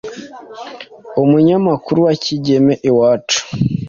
umunyamakuru wa Kigeme Iwacu.